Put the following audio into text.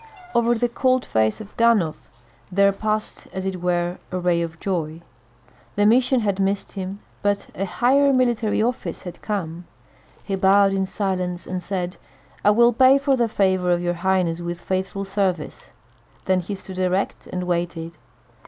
Over the cold face of Ganhoff there passed as it were a ray of joy. The mission had missed him, but a higher military office had come. He bowed in silence, and said, "I will pay for the favor of your highness with faithful service." Then he stood erect and waited.